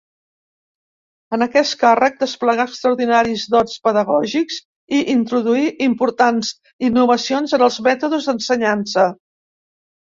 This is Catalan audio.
En aquest càrrec desplegà extraordinaris dots pedagògics i introduí importants innovacions en els mètodes d'ensenyança.